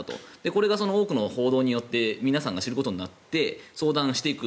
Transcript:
これが多くの報道によって皆さんが知ることになって相談していく。